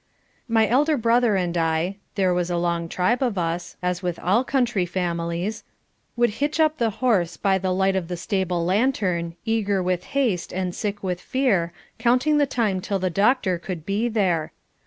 My elder brother and I there was a long tribe of us, as with all country families would hitch up the horse by the light of the stable lantern, eager with haste and sick with fear, counting the time till the doctor could be there.